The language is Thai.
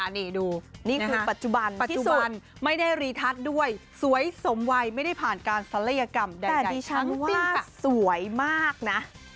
นี่คือปัจจุบันที่สุดไม่ได้รีทัชด้วยสวยสมวัยไม่ได้ผ่านการศัลยกรรมใดแต่ดิฉันว่าสวยมากนะ